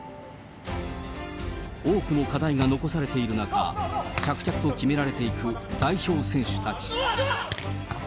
多くの課題が残されている中、着々と決められていく代表選手たち。